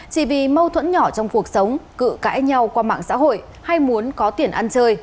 chỉ vì mâu thuẫn nhỏ trong cuộc sống cự cãi nhau qua mạng xã hội hay muốn có tiền ăn chơi